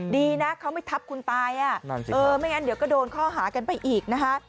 ดีนะเขาไม่ทับคุณตายไม่งั้นเดี๋ยวก็โดนข้อหากันไปอีกนะฮะ